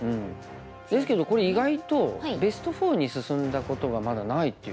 ですけどこれ意外とベスト４に進んだことがまだないっていうね。